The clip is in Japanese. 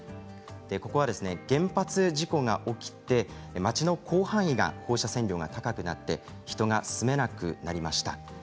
ここは原発事故が起きて町の広範囲が放射線量が高くなって人が住めなくなりました。